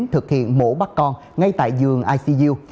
thực hiện mổ bắt con ngay tại giường icu